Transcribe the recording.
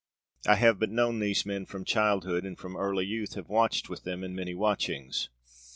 I have but known these men from childhood and from early youth: have watched with them in many watchings.